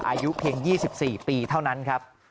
อายุเพียง๒๔ปีเท่านั้นครับ